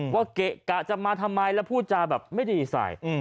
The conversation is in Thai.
เกะกะจะมาทำไมแล้วพูดจาแบบไม่ดีใส่